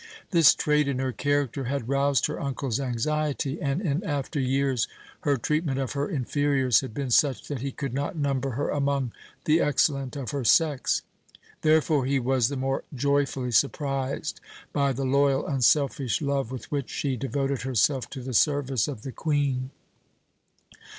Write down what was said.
This trait in her character had roused her uncle's anxiety and, in after years, her treatment of her inferiors had been such that he could not number her among the excellent of her sex. Therefore he was the more joyfully surprised by the loyal, unselfish love with which she devoted herself to the service of the Queen.